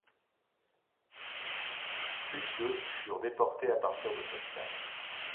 Plus de furent déportés à partir de cette place.